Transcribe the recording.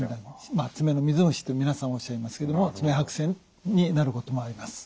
まあ爪の水虫って皆さんおっしゃいますけども爪白癬になることもあります。